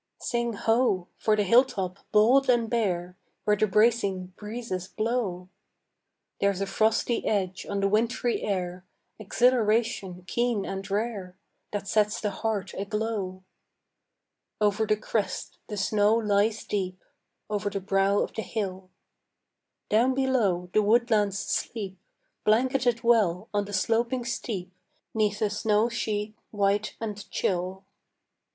Sing ho! for the hilltop bold and bare, Where the bracing breezes blow! There's a frosty edge on the wintry air, Exhilaration keen and rare That sets the heart aglow. Over the crest the snow lies deep, Over the brow of the hill. Down below the woodlands sleep, Blanketed well on the sloping steep 'Neath a snow sheet white and chill.